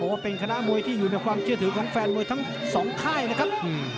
ว่าเป็นคณะมวยที่อยู่ในความเชื่อถือของแฟนมวยทั้งสองค่ายนะครับ